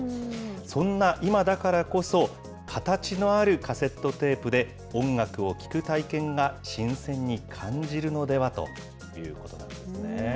そんな今だからこそ、形のあるカセットテープで音楽を聴く体験が新鮮に感じるのではということなんですね。